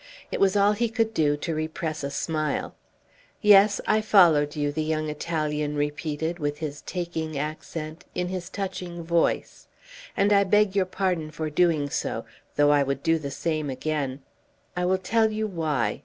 It was all he could do to repress a smile. "Yes, I followed you," the young Italian repeated, with his taking accent, in his touching voice; "and I beg your pardon for doing so though I would do the same again I will tell you why.